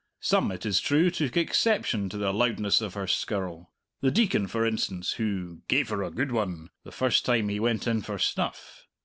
Some, it is true, took exception to the loudness of her skirl the Deacon, for instance, who "gave her a good one" the first time he went in for snuff.